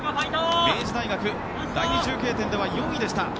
明治大学第２中継点では４位でした。